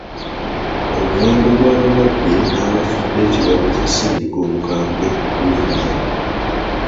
Omuwendo gw'abalwadde n'abafudde ekirwadde Kya Ssennyinga omukambwe gulinnye.